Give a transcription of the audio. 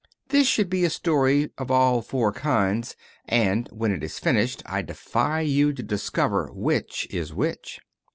This should be a story of all four kinds, and when it is finished I defy you to discover which is which.